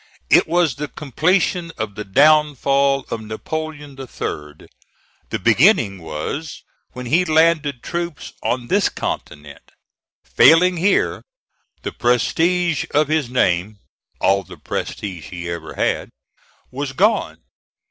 It was the completion of the downfall of Napoleon III. The beginning was when he landed troops on this continent. Failing here, the prestige of his name all the prestige he ever had was gone.